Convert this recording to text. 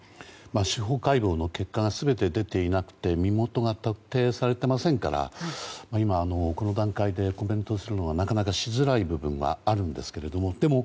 司法解剖の結果が全て出ていなくて身元が特定されていませんから今、この段階でコメントはなかなかしづらい部分はあるんですけれども。